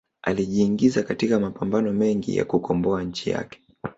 alijiingiza katika mapambano mengi ya kukomboa nchi yake